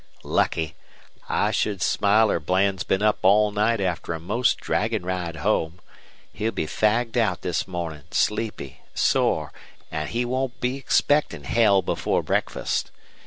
"Lucky! I should smiler Bland's been up all night after a most draggin' ride home. He'll be fagged out this mornin', sleepy, sore, an' he won't be expectin' hell before breakfast.